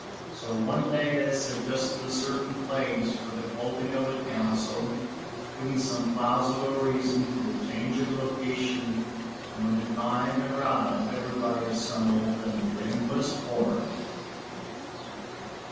So one day they suggested a certain place for the holding of the council, giving some plausible reason for the change of location, and when the time arrived, everybody assembled, and the ring was formed.